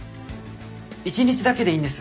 一日だけでいいんです。